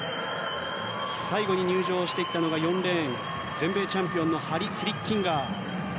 最後に入場してきたのが４レーン全米チャンピオンのハリ・フリッキンガー。